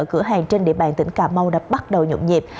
cửa hàng trên địa bàn tỉnh cà mau đã bắt đầu nhộn nhịp